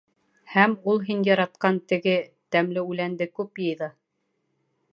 — Һәм ул һин яратҡан теге... тәмле үләнде күп йыйҙы.